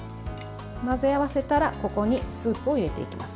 混ぜ合わせたらここにスープを入れていきます。